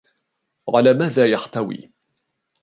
على ماذا يحتوي ؟